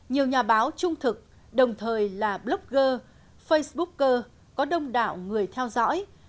nhiều nhà báo trung thực đồng thời là blogger facebooker có đông đảo người theo dõi